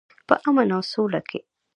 په امن او سوله کې.